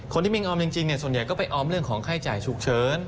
คนที่มีเงินออมจริงเราจะไปออมเรื่องของไข่จ่ายฉุกเฉิน